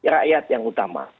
rakyat yang utama